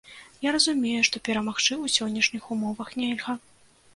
Я разумею, што перамагчы ў сённяшніх умовах нельга.